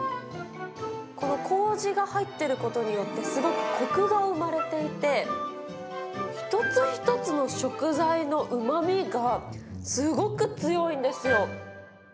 このこうじが入ってることによって、すごくこくが生まれていて、一つ一つの食材のうまみが、すごく強いんですよ。